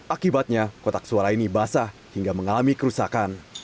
akibatnya kotak suara ini basah hingga mengalami kerusakan